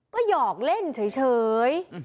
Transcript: ก็หยอกเล่นเฉย